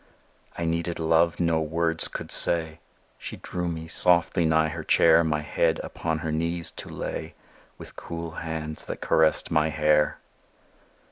I needed love no words could say; She drew me softly nigh her chair, My head upon her knees to lay, With cool hands that caressed my hair.